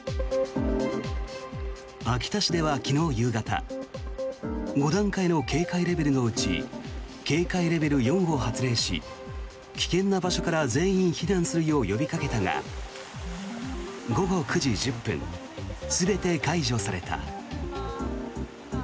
秋田市では昨日夕方５段階の警戒レベルのうち警戒レベル４を発令し危険な場所から全員避難するよう呼びかけたが午後９時１０分全て解除された。